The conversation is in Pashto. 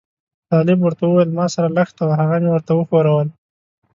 طالب ورته وویل ما سره لښته وه هغه مې ورته وښوروله.